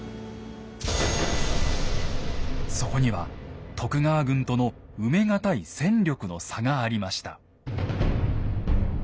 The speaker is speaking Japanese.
そこには徳川軍との埋め難い戦力の差がありました。